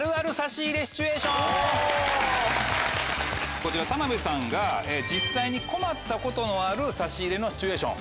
こちら田辺さんが実際に困ったことのある差し入れのシチュエーション。